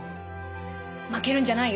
負けるんじゃないよ。